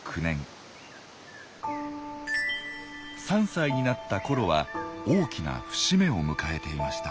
３歳になったコロは大きな節目を迎えていました。